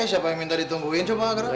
eh siapa yang minta ditungguin coba keren